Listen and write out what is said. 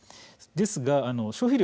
ですが消費量